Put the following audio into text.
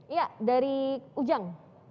iya dari ujang